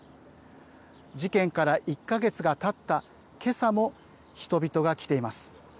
事件から１か月がたったけさも人々が来ています。